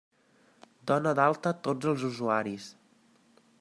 Dona d'alta tots els usuaris!